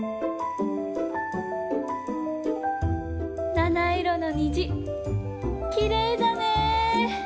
７いろのにじきれいだね。